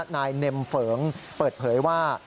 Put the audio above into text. นายเนมเฝิงเปิดเผยว่า